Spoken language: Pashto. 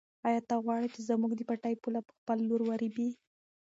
آیا ته غواړې چې زموږ د پټي پوله په خپل لور ورېبې؟